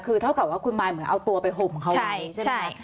คือเท่ากับว่าคุณมายเหมือนเอาตัวไปห่มเขาไว้ใช่ไหม